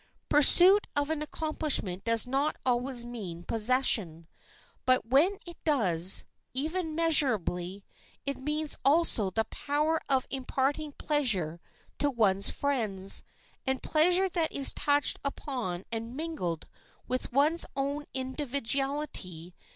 Pursuit of an accomplishment does not always mean possession, but where it does, even measurably, it means also the power of imparting pleasure to one's friends, and pleasure that is touched upon and mingled with one's own individuality.